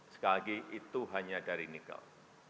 sekali lagi itu hanya dari nikel